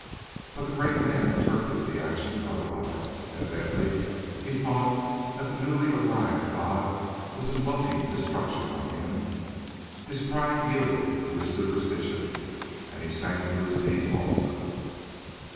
But the great man interpreted the action otherwise; evidently he thought that the newly arrived god was invoking destruction on him. His pride yielded to his superstition, and he sank to his knees also.